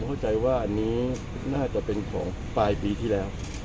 เข้าใจว่าอันนี้น่าจะเป็นของปลายปีที่แล้ว